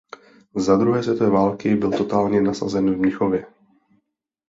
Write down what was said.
Za druhé světové války byl totálně nasazen v Mnichově.